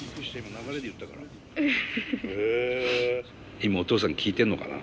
今お父さん聴いてるのかな？